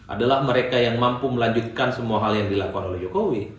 adalah mereka yang mampu melanjutkan semua hal yang dilakukan oleh jokowi